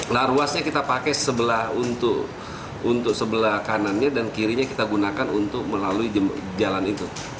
nah ruasnya kita pakai untuk sebelah kanannya dan kirinya kita gunakan untuk melalui jalan itu